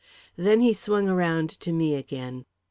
Then he swung around to me again.